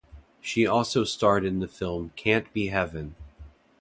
She also starred in the film "Can't Be Heaven".